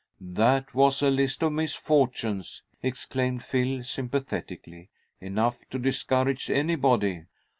"That was a list of misfortunes," exclaimed Phil, sympathetically, "enough to discourage anybody."